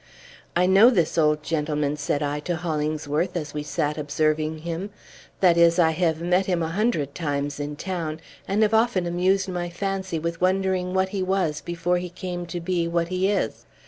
"I know this old gentleman," said I to Hollingsworth, as we sat observing him; "that is, I have met him a hundred times in town, and have often amused my fancy with wondering what he was before he came to be what he is.